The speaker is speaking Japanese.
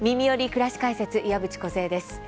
くらし解説」岩渕梢です。